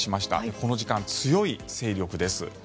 この時間、強い勢力です。